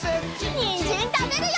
にんじんたべるよ！